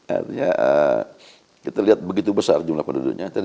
artinya kita lihat begitu besar jumlah penduduknya